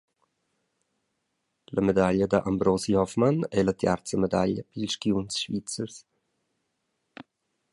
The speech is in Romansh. La medaglia da Ambrosi Hoffmann ei la tiarza medaglia pils skiunzs svizzers.